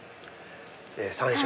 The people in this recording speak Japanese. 山椒。